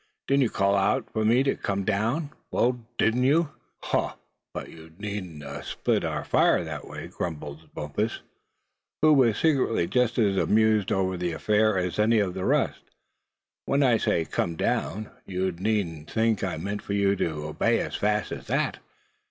Didn't you call out to me to come down? Well, didn't I?" "Huh! but you needn't a spilt our fire that way," grumbled Bumpus, who however was secretly just as much amused over the affair as any of the rest. "When I say 'come down' you needn't think I mean for you to obey as fast as that.